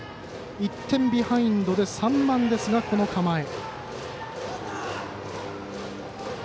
１点ビハインドで３番ですがバントの構え。